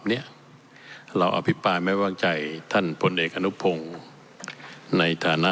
เนี่ยเราอภิปรายไม่วางใจท่านพลเอกอนุพงศ์ในฐานะ